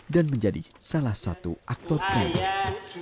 dan menjadi salah satu aktor terbaik